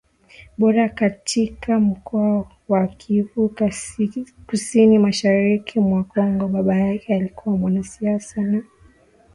Bora katika mkoa wa Kivu Kusini mashariki mwa Kongo Baba yake alikuwa mwanasiasa na